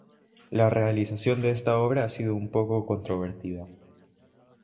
La realización de esta obra ha sido un poco controvertida.